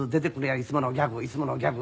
いつものギャグいつものギャグ」。